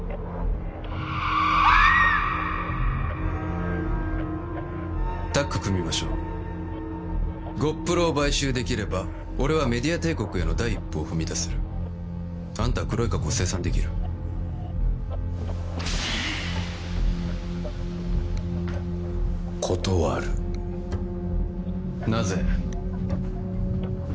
キャーッ！タッグ組みましょうゴップロを買収できれば俺はメディア帝国への第一歩を踏み出せるあんたは黒い過去を清算できる断るなぜ？